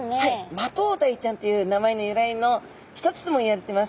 マトウダイちゃんという名前の由来の一つともいわれてます